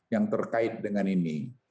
yang terkait dengan ini